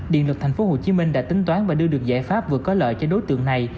điện lực tp hcm đã tính toán và đưa được giải pháp vừa có lợi cho đối tượng này